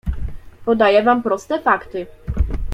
"Podaję wam proste fakty."